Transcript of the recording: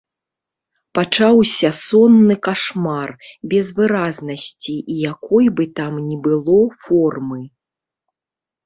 Пачаўся сонны кашмар, без выразнасці і якой бы там ні было формы.